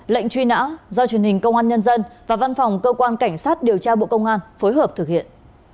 lệnh truy nã do truyền hình công an nhân dân và văn phòng cơ quan cảnh sát điều tra bộ công an phối hợp thực hiện